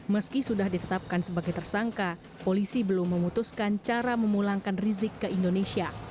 meski sudah ditetapkan sebagai tersangka polisi belum memutuskan cara memulangkan rizik ke indonesia